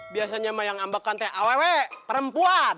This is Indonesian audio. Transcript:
biasanya mah yang ngambekan teh awwewe perempuan